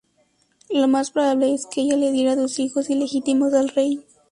Lo más probable es que ella le diera dos hijos ilegítimos al rey.